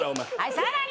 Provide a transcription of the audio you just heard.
さらに！